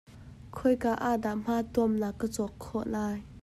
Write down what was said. Khoika ah dah hma tuamnak ka cawk khawh lai?